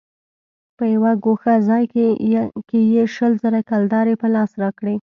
په يوه گوښه ځاى کښې يې شل زره کلدارې په لاس راکړې.